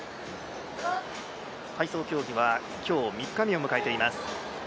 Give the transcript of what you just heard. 体操競技は今日、３日目を迎えています。